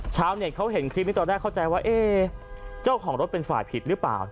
ชาวเน็ตเขาเห็นคลิปนี้ตอนแรกเข้าใจว่าเจ้าของรถเป็นฝ่ายผิดหรือเปล่า